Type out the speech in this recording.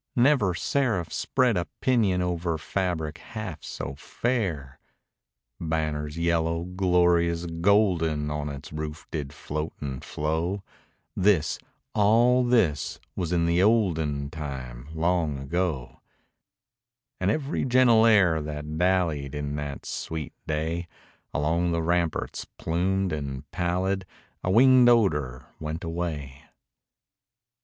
Never seraph spread a pinion Over fabric half so fair! Banners yellow, glorious, golden, On its roof did float and flow, (This all this was in the olden Time long ago), And every gentle air that dallied, In that sweet day, Along the ramparts plumed and pallid, A winged odor went away.